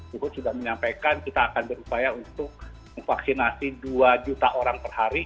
bu huth sudah menyampaikan kita akan berupaya untuk vaksinasi dua juta orang per hari